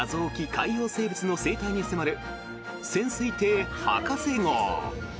海洋生物の生態に迫る潜水艇ハカセ号。